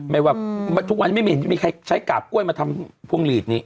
ไม่ว่าทุกวันนี้ไม่เห็นมีใครใช้กาบกล้วยมาทำพวงหลีดนี้